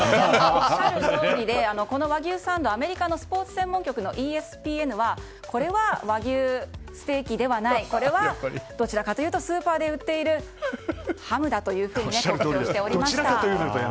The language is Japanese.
おっしゃるとおりでこの和牛サンドアメリカのスポーツ専門局ＥＳＰＮはこれはどちらかというとスーパーで売っているハムだというふうに言っておりました。